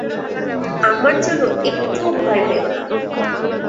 আমার জন্য একটুও ভয় পেও না।